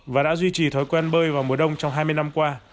và đã duy trì thói quen bơi vào mùa đông trong hai mươi năm qua